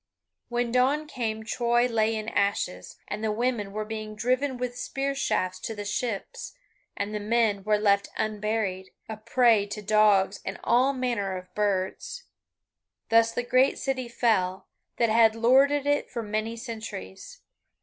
When dawn came Troy lay in ashes, and the women were being driven with spear shafts to the ships, and the men were left unburied, a prey to dogs and all manner of birds. Thus the grey city fell, that had lorded it for many centuries.